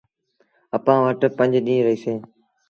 اَپآن وٽ پنج ڏيٚݩهݩ رهيٚسي۔